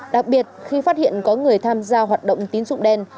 đặc biệt khi phát hiện có người tham gia hoạt động tín dụng đen